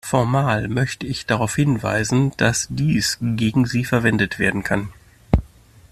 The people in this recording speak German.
Formal möchte ich darauf hinweisen, dass dies gegen Sie verwendet werden kann.